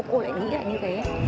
cô lại nghĩ lại như thế